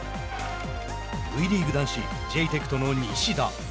Ｖリーグ男子ジェイテクトの西田。